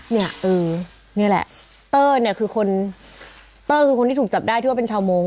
นี่แหละเตอร์คือคนที่ถูกจับได้ว่าเป็นชาวมงค์